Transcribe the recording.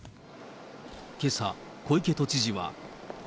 けさ、小池都知事は。